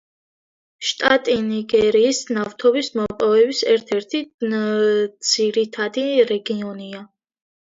შტატი ნიგერიის ნავთობის მოპოვების ერთ-ერთი ძირითადი რეგიონია.